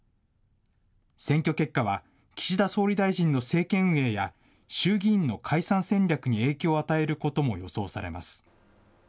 選挙結果は、岸田総理大臣の政権運営や、衆議院の解散戦略に影響を与えることも予想されます。